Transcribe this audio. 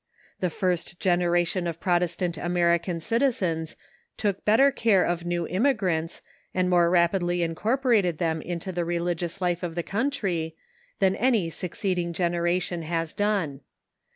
The first gen eration of Protestant American citizens took better care of new immigrants, and more rapidly incorporated them into the religious life of the country, than any succeeding generation has done.